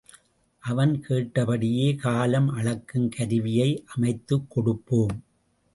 அவன் கேட்டபடியே காலம் அளக்கும் கருவியை அமைத்துக் கொடுப்போம்.